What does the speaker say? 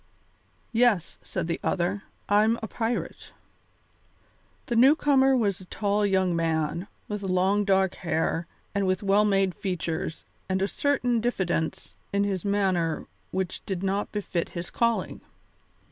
"Yes," said the other, "I'm a pirate." The newcomer was a tall young man, with long dark hair and with well made features and a certain diffidence in his manner which did not befit his calling.